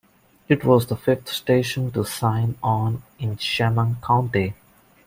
It was the fifth station to sign on in Chemung County.